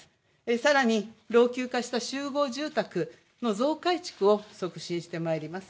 さらに老朽化した集合住宅の増改築を促進してまいります。